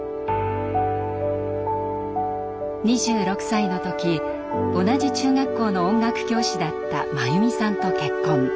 ２６歳の時同じ中学校の音楽教師だった真弓さんと結婚。